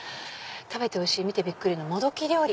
食べて美味しい見てびっくりのもどき料理」。